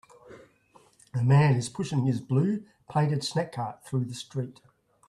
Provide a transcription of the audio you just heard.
A man is pushing his blue painted snack cart through the street.